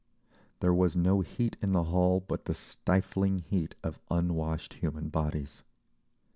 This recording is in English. There was no heat in the hall but the stifling heat of unwashed human bodies.